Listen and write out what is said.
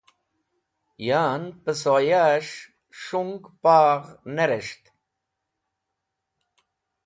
Yan pẽsoyas̃h s̃hung paghz ne res̃ht